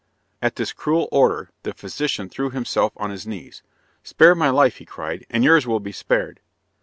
At this cruel order the physician threw himself on his knees. "Spare my life," he cried, "and yours will be spared."